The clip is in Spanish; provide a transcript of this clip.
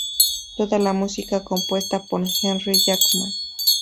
Toda la música compuesta por Henry Jackman.